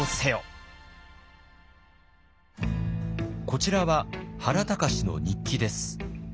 こちらは原敬の日記です。